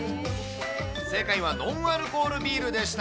正解はノンアルコールビールでした。